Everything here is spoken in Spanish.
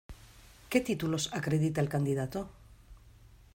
¿Qué títulos acredita el candidato?